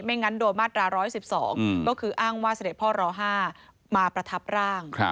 งั้นโดนมาตรา๑๑๒ก็คืออ้างว่าเสด็จพ่อร๕มาประทับร่าง